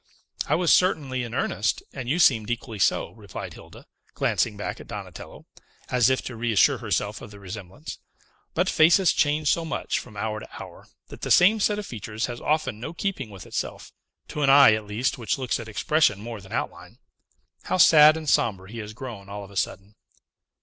"I was certainly in earnest, and you seemed equally so," replied Hilda, glancing back at Donatello, as if to reassure herself of the resemblance. "But faces change so much, from hour to hour, that the same set of features has often no keeping with itself; to an eye, at least, which looks at expression more than outline. How sad and sombre he has grown all of a sudden!"